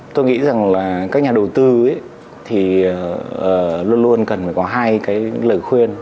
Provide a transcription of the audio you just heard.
tôi nghĩ rằng là các nhà đầu tư thì luôn luôn cần có hai cái lời khuyên